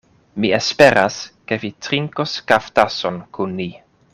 Mi esperas, ke vi trinkos kaftason kun ni.